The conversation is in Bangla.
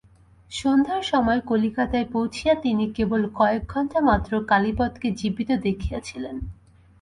সন্ধ্যার সময় কলিকাতায় পৌঁছিয়া তিনি কেবল কয়েক ঘণ্টা মাত্র কালীপদকে জীবিত দেখিয়াছিলেন।